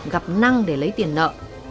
gặp năng để lấy tiền nợ